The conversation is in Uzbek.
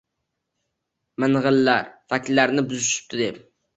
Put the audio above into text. Mingʻillar: “Faktlarni buzishibdi!” – deb.